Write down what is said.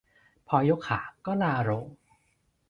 พอยกขาก็ลาโรง